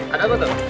ada apa tuh